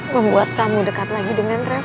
membuat kamu dekat lagi dengan reva